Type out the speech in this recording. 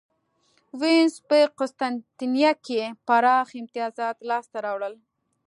وینز په قسطنطنیه کې پراخ امیتازات لاسته راوړل.